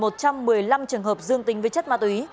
một trăm một mươi năm trường hợp dương tính với chất ma túy